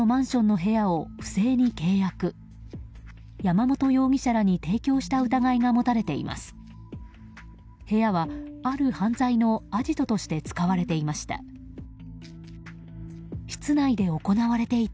部屋は、ある犯罪のアジトとして使われていました。